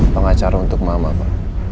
pengacara untuk mama